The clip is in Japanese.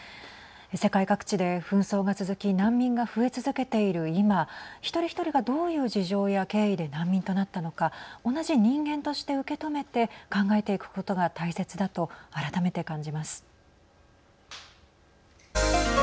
世界各地で紛争が続き難民が増え続けている今一人一人がどういう事情や経緯で難民となったのか同じ人間として受け止めて考えていくことが大切だと改めて感じます。